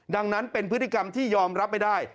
ดังนั้นเป็นพฤติกรรมที่ยอมรับไม่ได้